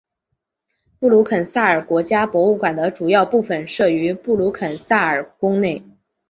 布鲁肯撒尔国家博物馆的主要部分设于布鲁肯撒尔宫内。